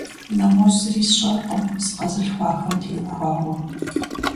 НэгъуэщӀ зыри сщӀэркъым сыкъэзылъхуахэм теухуауэ.